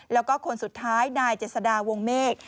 แล้วก็คนสุดท้ายนายเจษดาวงเมฆ